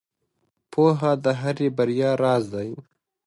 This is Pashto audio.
• پوهه د هرې بریا راز دی.